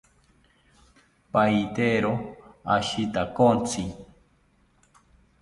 Pahitero ashitakontzi